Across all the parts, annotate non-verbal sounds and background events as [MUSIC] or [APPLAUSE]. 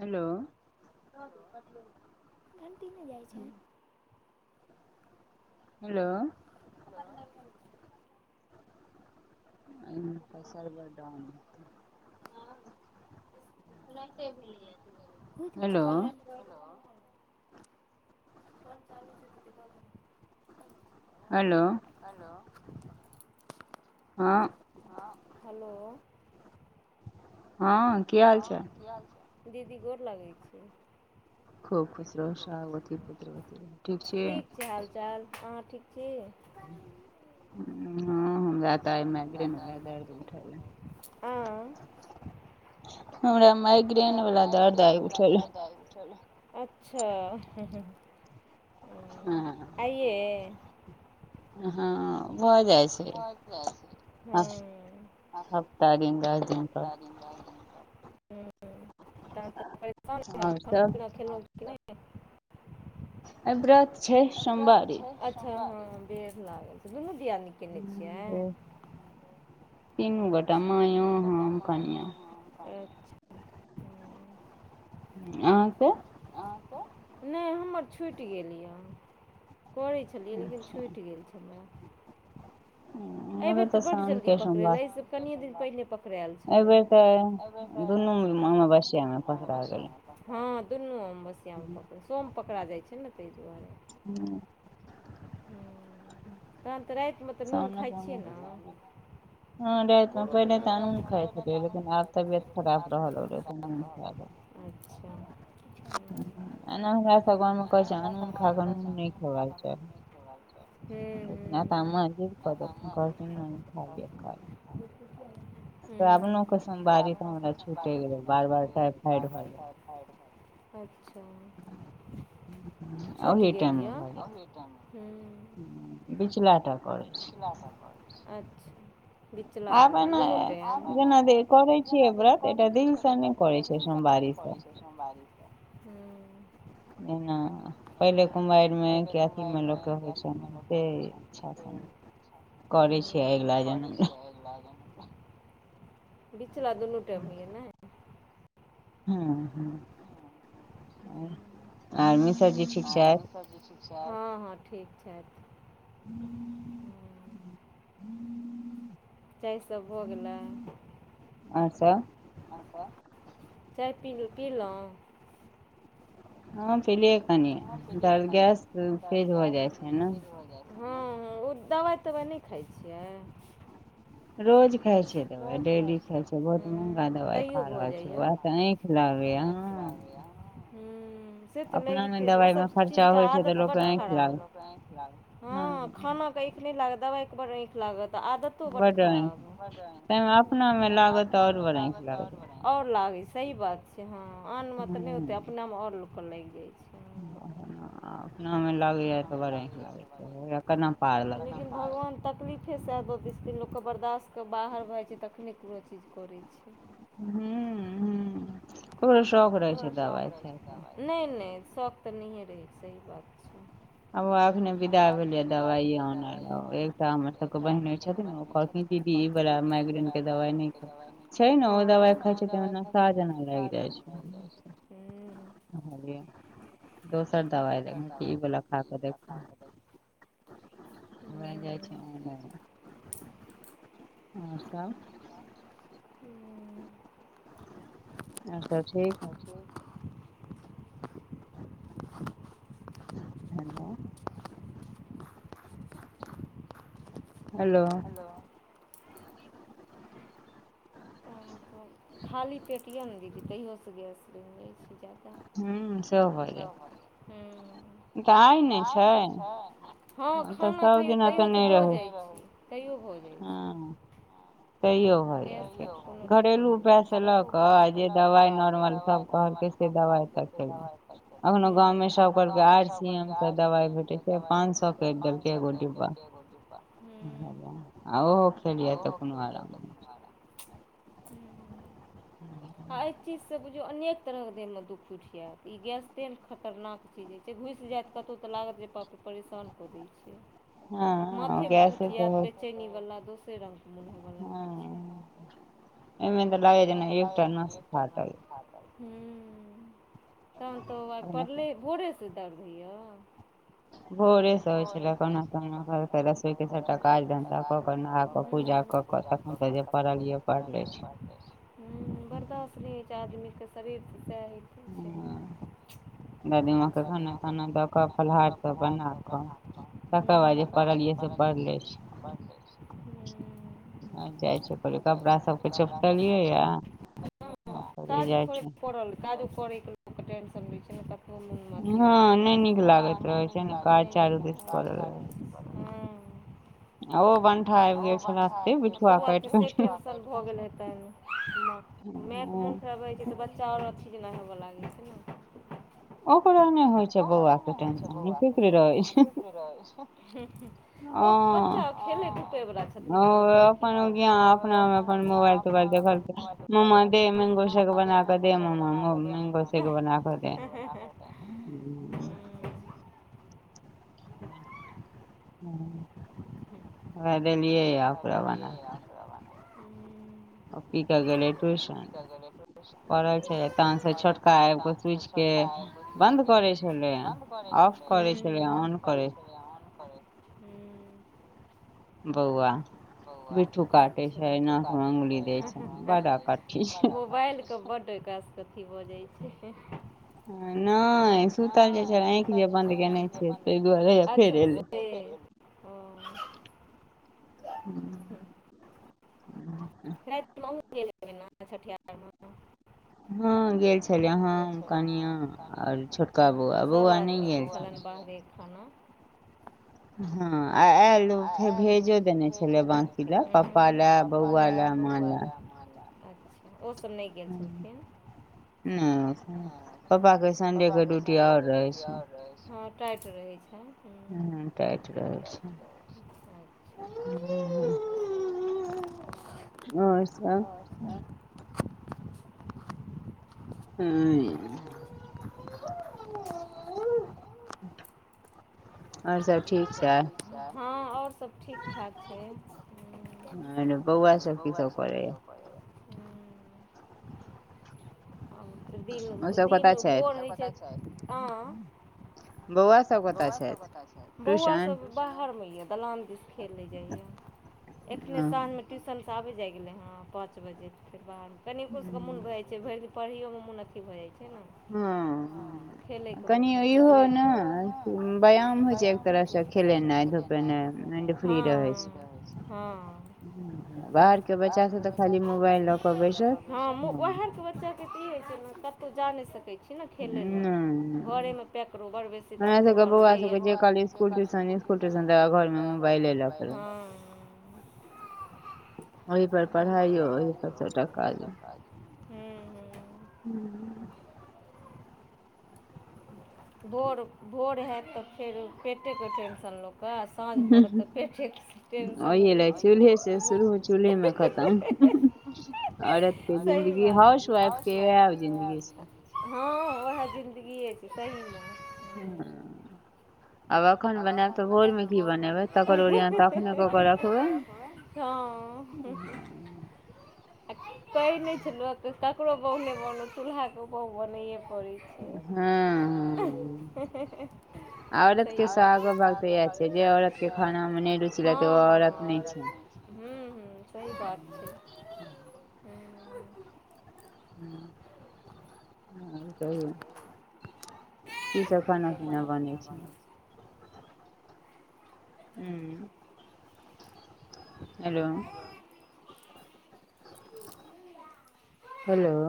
Hello [UNINTELLIGIBLE] hello hello एय महका server down हेतै ओनाहिते भेलैय ठीक छे हेलो फोन चालू छै तऽ दिक्कत की हलो हलो हँ हँ हलो हँ हँ की हाल चाल दीदी गोर लगै छी खूब खुश रहू सुहागवति पुत्रवति रहू ठीक ठीक छै हालचाल अहाँ ठीक छी हँ हमरा तै मैग्रैंनभेच आ बला दर्द उठल रहै अय हमरा माइग्रेन बला दर्द आय उठल। आय उठल अच्छा हूँ, हूँ, हूँ उ आइए। हँ भऽ जाइ छै भऽ जाइत छै [UNINTELLIGIBLE] हप्ता दिन [UNINTELLIGIBLE] हुँ तहन तऽ परेशान हैब खाना पीना खेलहुँ आइ व्रत छै सोमबारी। अच्छा हँ बेड़ लागल छै, दुनू दिआदिनी केने छियै। तीनू गोटा मायो हम कनियाँ। [UNINTELLIGIBLE] अहाँकेँ अहाँकेँ नय हमर छुइट गेल य करैय छै छलियै छुइट गेल छलै। एहि बेर तऽ बड़ जल्दी पकरेलय एहि से कनिये दिन पहिने पक रायल छलै एहिबेर तऽ दुनू आमावस्या मे हँ दुनू अमवसिया मे पकड़ै सोम पकड़ा जाइ छै नऽ ताहि दुआरे। हुँ हुँ तहन तऽ रातिमे तऽ नून खाइ छियै नऽ बोरो देबै [UNINTELLIGIBLE] अच्छऽ हुँ एनाही हमरा सब गाममे कहै छै, अनून खा कऽ नून नइ खेबाक चाही हुँ - हुँ तहन माँ जिद कऽ देलखिन कहलखिन नैइ खा लियऽ देखइ छिये आइ काइल हूँ [UNINTELLIGIBLE] साइड भऽ जाय अच्छा छुटि गेलय अहीए टाइम हूँ बिचला टा करैय छै [INAUDIBLE] टा करैय छैय अच्छा आबै नय जेना करैय छियै व्रत एटा दिल स नय करैय छिये सोमवारी सब सोमवारी सब हूँ ऐहना पहिले कुमैर मे कि अथी म लकै होइ छै न से इच्छा हूँ [INAUDIBLE] बिचला दुनू टाइम होयै नैइ हूँ हूँ आ आर मिश्रजी ठीक छैथ हँ हँ ठीक छैथ [INAUDIBLE] चाय सब भऽ गेलैय ओर सब चाय पील पीलोय हँ पलियै कनी र्द गैस तेज भैय जाइ छै न हँ हँ ओ दवाइ तवाइ नय खाइ छियै रोज खाइ छै दवाय डेली खाइ छै बहुत महँगा दबाय खाय रहल छै ओएह तऽ आँख लाहरेय [UNINTELLIGIBLE] हूँ से तऽ लगिते छै ओ सब चीजके आदत बड्ड खराब हऽ आँइख लागै छै हँ खाना के आँएख नीक नय लागत दवाइ के बड आँइख लागत आ आदतो बड खराब [INAUDIBLE] तऽ अहाँ अपना बला बताओ ओर बताउ ओर लागै सही बात छै हँ आनमे तऽ नय ओतै अपने मे ओर लोककेँ लाइग जाइ छै अपना मे लागे या तऽ बड आँख लागेय ऐकरा केना पार लगते भगवान तकलीफ फे स आब बिसदिन लोकके बर्दाश्त क बाहर भऽ जा छै तखने कोनो चीज करै छै हू हू ककरो शौख रहै छै दवाइ खाय कऽ नय नय शौक तऽ नहिए रहै सही बात छै आब वाएह दिना विदा भेलए दबाइये आनेल [INAUDIBLE] कहलखिन दीदी [UNINTELLIGIBLE] माइग्रेन क दवाई नय ह छैय न ओ दवाई खाए छै त नशा जेना [INAUDIBLE] हू कहलिए दोसर दवाइ [UNINTELLIGIBLE] ई बोला खै क देख ओह जाय [INAUDIBLE] ओर सब [INAUDIBLE] ओर सब ठीक [INAUDIBLE] हेलो हेलो हेलो तऽके खाली पेट यऽ ने दीदी तैयोसँ गैस बइन जाए छै जादा हूँ त आय नै छै हँ खाना खयौ तैयो तऽ भऽ जाय छै तैयो भऽ जाय छै तैयो भ जा छै घरेलू उपाय से ल क जे दवाइ नॉर्मल सब कहलकै से दवाइ त एखनो गाँव मे सब कहल आर सी एम दवाइ भेटै छै पाँन स फेर देलकै एगो डिब्बा आ ओहो खेलिय त [UNINTELLIGIBLE] आ एहि चीज से बुझिऔ अनेक तरह के देह मे दुख उठि जायत ई गैस तेन खतरनाक [UNINTELLIGIBLE] घुसि जायत कतहु तऽ लागत जे पापे परेशान कऽ दै छै माथे उठि जायत बेचेनीवाला दोसरे रंग के मन होबे लगाय छै एमे तऽ लागे जेना एकटा नस फाटय हूँ तहन तऽ आइ पड़ले भोरेसँ दर्द होइए भोरे होइ छले कहुना कहुना घर के रसोई के सबटा काज धंधा कऽ क नहा कऽ पूजा [UNINTELLIGIBLE] कऽ बर्दाश रहे छ आदमी के शरीर तै सेहित [UNINTELLIGIBLE] [UNINTELLIGIBLE] जाइ छय कहलिय कपड़ा सबके चिपटलियै य हँ काज करल काजो करै के टेंशन मे छै न [UNINTELLIGIBLE] हाँ मामी वाला चारू देश पल बाौआ के से टेंसन भ गेलै तऽ [UNINTELLIGIBLE] गे के मोन खराब रहै छै तऽ बच्चा ओर अथी जेना होब लागै छै न ओकरो नय होइ छै बौआ के टेंनसन निफीकीर रहे छै [UNINTELLIGIBLE] हु हु ओ बच्चा खेलै धुपेवला छथिन ने तऽ ओ की करथिन [UNINTELLIGIBLE] अपना [UNINTELLIGIBLE] मांगो शेक बनाबे जे बनाबे [UNINTELLIGIBLE] वह देलियै ओकरे बना [UNINTELLIGIBLE] हु [UNINTELLIGIBLE] छोटका ऑफिस के बन्द कर छलऑ छल हु ऑफ करें छलाई [UNINTELLIGIBLE] करें हु बौआ [UNINTELLIGIBLE] मोबाइल के बड एकरा स अथी भऽ जाइ छै नय सुतल जे छै आँखि जे बन्द केयने छै ताहि दुआरे फेर एलै के हुँ रति मे आहु गेल छलिये न छठियहार मे हाँ गैल छलिये हाँ कनि सब आदमील अखन बहरे खाना हँ आ लहु फेर भेजो देने छलै हु बाकि हु अच्छा ओ सब नई गैल गेल छललखिन नई ओ सब नई पापा के सडे के ड्यूटी ओर रहैत छै हँ टाइट रहै छै हुँ टाइट रहै छै आओर सब हुँ आओर सब आओर सब ठीक छै हँ आओर सब ठीक ठाक छै बौआ सब की सब करैये आ दीन मे दीन ओ भोर हयछै अँ बौआ सब कतय छैथ बौआ सब बाहर मे य दलान दिस खेलै जाय ये एखने सांझ मे ट्यूशनसे आबै जाइ गेलै हन पाँच बजे के बाद कनी एकरो सबके मोन भऽ जाय छै भरि दिन पढ़ैयै मे मोन अथी भऽ जाइ छै न हँ खेलैके मोन होइ छै कहलियै इहो नय व्यायामो जे होइ तर सब खेलेनाय धुपेनाय हँ हँ हँ रातिके बच्चा सबके खाली मोबाइल लऽ कऽ बैठल हँ वैहे तऽ बच्चा ई होइ छै ने कतौ जा नय सकै छी न खेलै लऽ घरे मे पैक रहू बड़ बेसी तऽ अपने घरमे जे ये घरमे मोबाइले देखलक हँ ओहि पर पढ़ाइयो ओहि पर सबटा काजो [INAUDIBLE] भोर भोर हैत तऽ फेर पेटेके टेंशन लोकऽ आ साँझ परत तऽ पेटे के टेंसन होइ छै औरत के जिन्दगी हाउस वाइफ के वैह जिन्दगी छै हँ वैहे जिंन्दगिए छै सहीमे हँ आब एखन बनाएब तऽ भोरमे की बनेबै तकर ओरियान तऽ अखने कऽ कऽ रखबै [INAUDIBLE] [INAUDIBLE] आ कहै नय छै लोक ककरो बौह नय बनू चूल्हाके बौह बनैए पड़ै छै हँ सही बात आओर [UNINTELLIGIBLE] औरत के खाना हूँ हूँ सही बात छै हुँ हुँ [INAUDIBLE] हँ कहियौ की सभ खाना पीना बनै छै हुँ--हेलो हेलो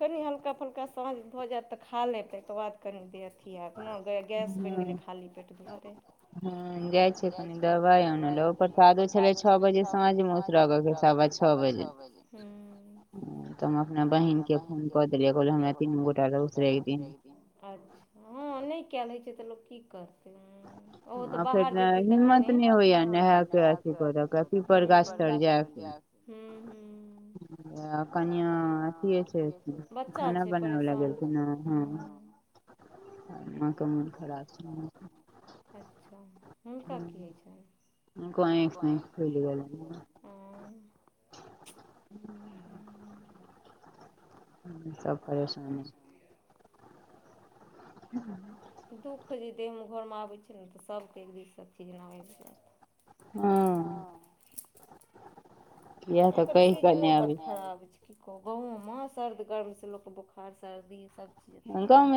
कनि हल्का फुल्का साँझ भऽ जैत तऽ खा लेत तकर बाद कनि देब कियेक न अपनाबे गैस बनि गेलै खाली पेट दुआरे हँ गै जाइ छैथ दवाय आनले ओकर कागज छलै छओ बजे साँझमे ओकरा लग सवा छओ बजे हूँ तऽ हम अपना बहिन के फोन कऽ देलियै कहलियै हमरा तीनू गोटा ले उसरैग दिही अच्छ हँ नय केल होय छै तऽ लोक की करतै ओहो तऽ बाहर दिस तखने हिम्मत नय होइये नेहाके पिपर गाछ ओय पिपर गाछ तर जैब हूँ हूँ आ कनियाँ अथीये छै बर बच्चा छै परेशान हुँ माँ के मोन खराब छैय माँ के अच्छाऽ हुनका कि होय छैन हुनको आँखि ताँखि फुलि गेलैन्ह हें [INAUDIBLE] हूँ सब परेशानी [INAUDIBLE] दुःख जे देहमे घरमे आबै छैय ने तऽ सबके एक दिस स अथी जेना आएब जएत हँ एखन सीजनो बड खड़ाब छैय गांवोंमे सर्द गर्म से लोकके बोखार सर्दी सब चीज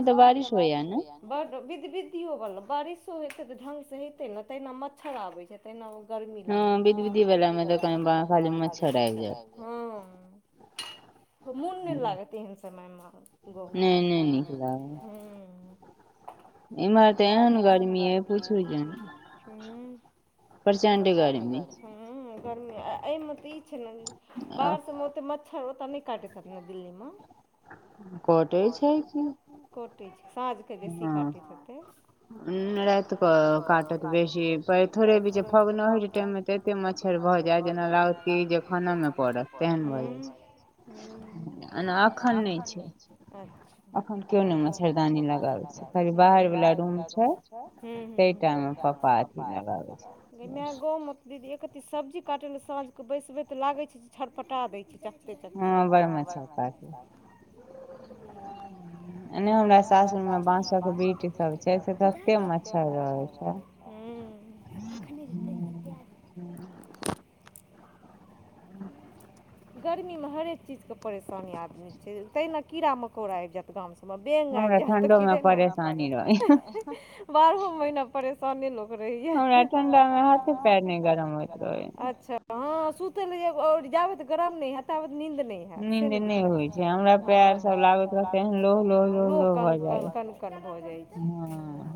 गांव मे तऽ बारिश होय या बड्ड विद विदियो वला बारिशो होइ छैय तऽ ढंग स हयतै न तहिना मच्छर आबै छैय एना ओ गर्मी लागै छै हाँ बिद बिदीवला मे त [UNINTELLIGIBLE] मच्छर आबि जाय छै हूँ मोन नै लागत एहन समयमे बहुत नहि नहि नहि हँ [UNINTELLIGIBLE] इम्हर तऽ एहेन गरमी यै पूछू जुनि हुँ प्रचंड गर्मी हुँ गरमी आ एहिमे तऽ ई छैय ने बाहर सबमे ओते मच्छर ओतय नै काटै हेएय न ओत दिल्लीमे कऽटै छैय की कटै छैय साँझके बेसी काटैत हेतै राति क काटत बेसी प थोरे बीचे फगुनहैट टाइम मे त एते मच्छर भऽ जएत जेना लागत की खाने मे पड़त--मुदा अखन नै छै अच्छा अखन कोनो मच्छरदानी हुँ बाहर वला रूम छैय तै टा मे [UNINTELLIGIBLE] गै माय गाँवमे त दीदी एक रती सब्जी काट लय साँझ क बैसबै तऽ लागै छैय छटपटा दैय छैय चा से त कक मे बड़ा मच्छर लागै छैय [UNINTELLIGIBLE] एने हमरा सासुर मे बांसक बीट सब छैय से तते मच्छर रहै छै हूँ एखन नै जेतै एखन प्या ह [UNINTELLIGIBLE] गर्मीमे हरेक चीजके परेशानी आदमी छै तईमे कीड़ा मकोड़ा आबि जएत गांमसँ बैंग आबि जायत तऽ किसान अ बारहो महीना परे साने लोक रहियै अच्छा हँ सुतैले रहियै जाबेत गरम नै हएत ताबेत नीन्द नै हेएत आ से ने दिक्कत छै हमरा पएर सब लागत जे लोह कन-कन-कन-कन भऽ जाय हँ [UNINTELLIGIBLE]